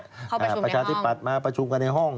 ประชาธิปัตย์มาประชุมกันในห้อง